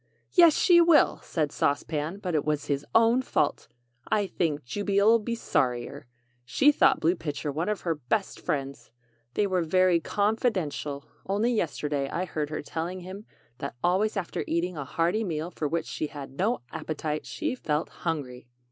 "Yes, she will!" said Sauce Pan; "but it was his own fault! I think Jubey'll be sorrier! She thought Blue Pitcher one of her best friends. They were very con fi dent ial. Only yesterday I heard her telling him that always after eating a hearty meal for which she had no appetite, she felt hungry."